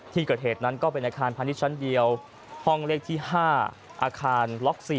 ที่เกิดเหตุนั้นก็เป็นอาคารพาณิชย์ชั้นเดียวห้องเลขที่๕อาคารล็อก๔